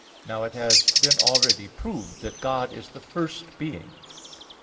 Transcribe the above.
Now it has been already proved that God is the First Being.